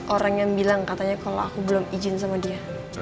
orang yang bilang katanya kalau aku belum izin sama dia